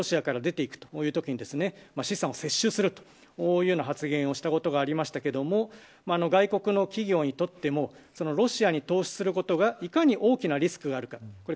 あとはプーチン大統領自身外国の企業がロシアから出ていくというときに資産を接収するという発言をしたことがありましたが外国の企業にとってもロシアに投資することがいかに大きなリスクがあるか。